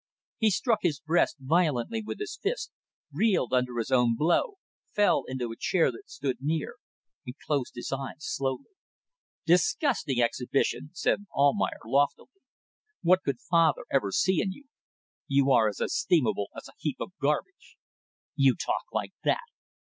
He struck his breast violently with his fist, reeled under his own blow, fell into a chair that stood near and closed his eyes slowly. "Disgusting exhibition," said Almayer, loftily. "What could father ever see in you? You are as estimable as a heap of garbage." "You talk like that!